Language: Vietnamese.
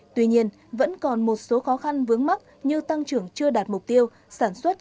tuy nhiên vẫn còn một số khó khăn vướng mắt như tăng trưởng chưa đạt mục tiêu sản xuất